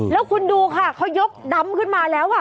แล้วคุณดูค่ะเขายกดำขึ้นมาแล้ว